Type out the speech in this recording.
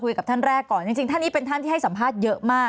ท่านแรกก่อนจริงท่านนี้เป็นท่านที่ให้สัมภาษณ์เยอะมาก